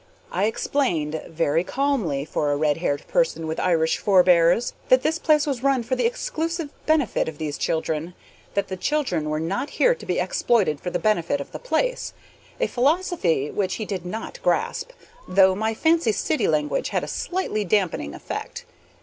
I explained very calmly for a red haired person with Irish forebears that this place was run for the exclusive benefit of these children; that the children were not here to be exploited for the benefit of the place, a philosophy which he did not grasp, though my fancy city language had a slightly dampening effect.